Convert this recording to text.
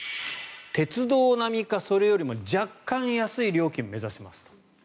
鉄道並みかそれよりも若干安い料金を目指しますと。